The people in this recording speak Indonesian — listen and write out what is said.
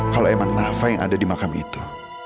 kalau emang nafa yang ada di makam itu